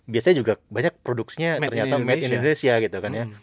biasanya juga banyak produksinya ternyata made indonesia gitu kan ya